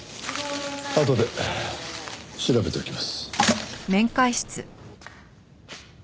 あとで調べておきます。